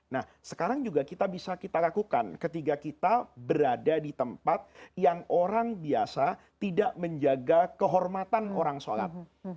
nah sekarang juga kita bisa kita lakukan ketika kita berada di tempat yang orang biasa tidak menjaga kehormatan orang sholat